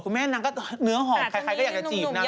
แม่นางก็เนื้อหอมใครก็อยากจะจีบนาง